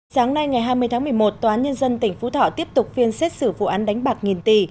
sáng nay ngày hai mươi tháng một mươi một tòa án nhân dân tỉnh phú thọ tiếp tục phiên xét xử vụ án đánh bạc nghìn tỷ